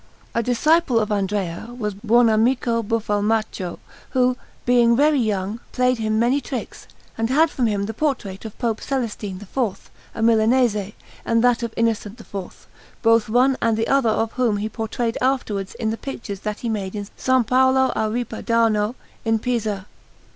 A disciple of Andrea was Buonamico Buffalmacco, who, being very young, played him many tricks, and had from him the portrait of Pope Celestine IV, a Milanese, and that of Innocent IV, both one and the other of whom he portrayed afterwards in the pictures that he made in S. Paolo a Ripa d' Arno in Pisa.